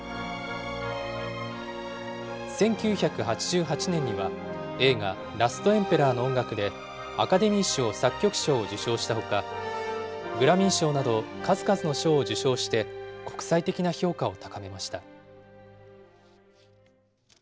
１９８８年には、映画、ラストエンペラーの音楽でアカデミー賞作曲賞を受賞したほか、グラミー賞など数々の賞を受賞して国際的な評価を高めました。